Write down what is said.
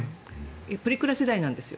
プリクラ世代なんですよ。